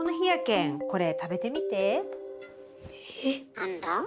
何だ？